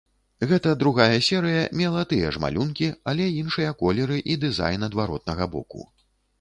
Гэта другая серыя мела тыя ж малюнкі, але іншыя колеры і дызайн адваротнага боку.